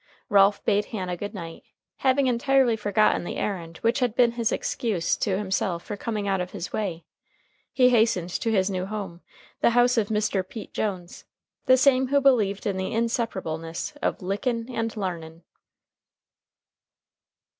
Ralph bade Hannah good night, having entirely forgotten the errand which had been his excuse to himself for coming out of his way. He hastened to his new home, the house of Mr. Pete Jones, the same who believed in the inseparableness of "lickin' and larnin'."